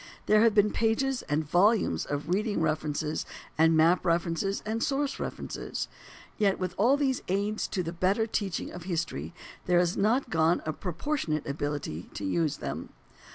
There have been pages and volumes of reading references and map references and source references. Yet with all these aids to the better teaching of history there has not gone a proportionate ability to use them.